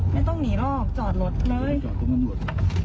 ไม่ต้องหนีหรอกจอดรถเลยจอดตรงนั้นหมด